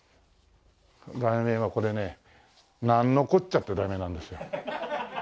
題名はこれね「なんのこっちゃ」って題名なんですよ。